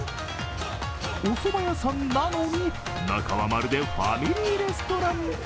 おそば屋さんなのに、中はまるでファミリーレストラン。